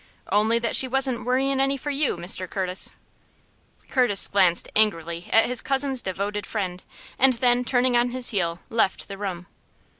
"Only that she wasn't worryin' any for you, Mr. Curtis." Curtis glanced angrily at his cousin's devoted friend, and then, turning on his heel, left the room.